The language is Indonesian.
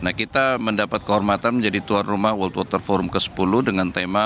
nah kita mendapat kehormatan menjadi tuan rumah world water forum ke sepuluh dengan tema